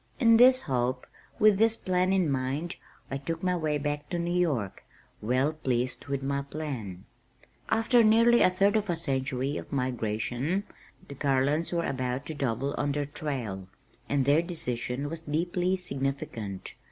In this hope, with this plan in mind, I took my way back to New York, well pleased with my plan. After nearly a third of a century of migration, the Garlands were about to double on their trail, and their decision was deeply significant.